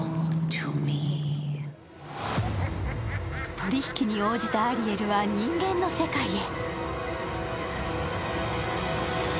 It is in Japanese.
取り引きに応じたアリエルは人間の世界へ。